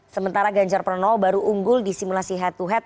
sementara ganjar pranowo baru unggul di simulasi head to head